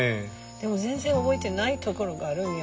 でも全然覚えてないところがあるんよ。